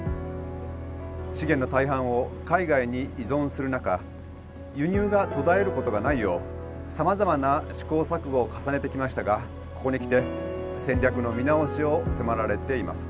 資源の大半を海外に依存する中輸入が途絶えることがないようさまざまな試行錯誤を重ねてきましたがここに来て戦略の見直しを迫られています。